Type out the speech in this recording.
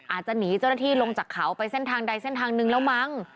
อาจจะหนีเจ้าหน้าที่ลงจากเขาไปเส้นทางใดเส้นทางนึงแล้วมั้ง